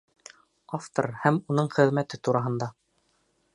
Автор һәм уның хеҙмәте тураһында.